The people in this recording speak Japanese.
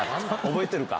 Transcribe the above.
覚えてるか？